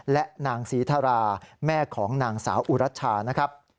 และนางศรีธาราแม่ของนางสาวอุรัชชานะครับ